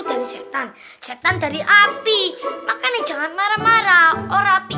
dari setan setan dari api makanya jangan marah marah